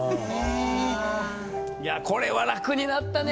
これは楽になったね